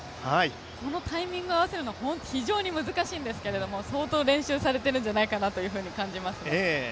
このタイミングを合わせるのが非常に難しいんですけど相当練習されているんじゃないかというふうに感じます。